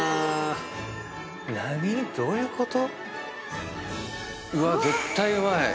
何⁉どういうこと⁉